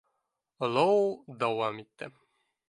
Олоу дауам итте.